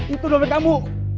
itu dompet kamu